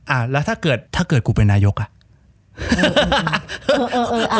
อ่าแล้วถ้าเกิดถ้าเกิดกูเป็นนายกอ่ะเออเออเออเอออ่า